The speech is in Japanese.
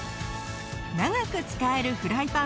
長く使えるフライパン。